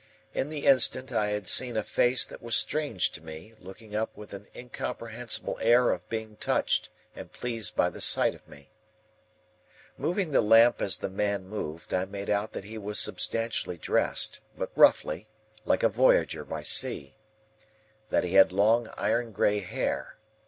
In the instant, I had seen a face that was strange to me, looking up with an incomprehensible air of being touched and pleased by the sight of me. Moving the lamp as the man moved, I made out that he was substantially dressed, but roughly, like a voyager by sea. That he had long iron grey hair.